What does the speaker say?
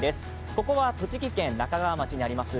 ここは栃木県那珂川町にあります